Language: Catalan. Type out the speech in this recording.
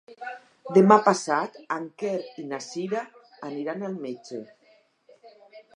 Demà passat en Quer i na Cira aniran al metge.